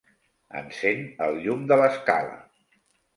Encén el llum de l'escala.